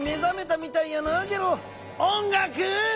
おんがく。